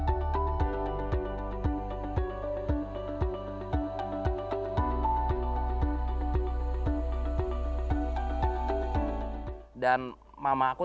dan mama aku salah satu yang menurut gue